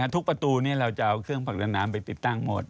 ทุกประตูนี้เราจะเอาเครื่องผลักดันน้ำไปติดตั้งหมด